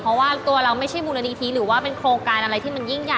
เพราะว่าตัวเราไม่ใช่มูลนิธิหรือว่าเป็นโครงการอะไรที่มันยิ่งใหญ่